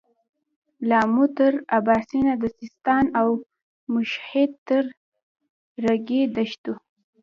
له امو تر اباسينه د سيستان او مشهد تر رېګي دښتو.